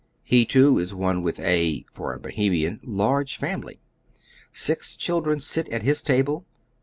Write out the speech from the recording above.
He too is one with a — for a Bohemian — large family. Six cliildren sit at his table.